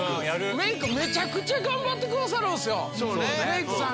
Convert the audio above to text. メークめちゃくちゃ頑張ってくださるメークさん。